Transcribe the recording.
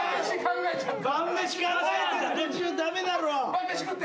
「晩飯食って」